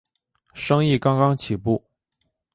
生意刚刚起步